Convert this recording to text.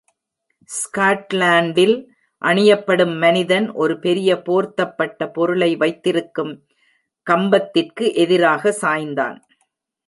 ஸ்காட்லாண்டில் அணியப்படும் மனிதன் ஒரு பெரிய போர்த்தப்பட்ட பொருளை வைத்திருக்கும் கம்பத்திற்கு எதிராக சாய்ந்தான்.